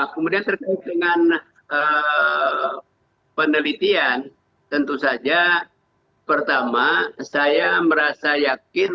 kemudian terkait dengan penelitian tentu saja pertama saya merasa yakin